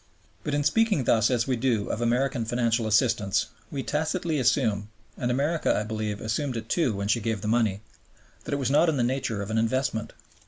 But in speaking thus as we do of American financial assistance, we tacitly assume, and America, I believe, assumed it too when she gave the money, that it was not in the nature of an investment.